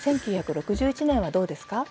１９６１年はどうですか？